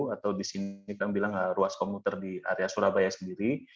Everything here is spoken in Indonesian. atau di sini kami bilang ruas komuter di area surabaya sendiri